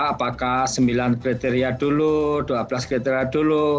apakah sembilan kriteria dulu dua belas kriteria dulu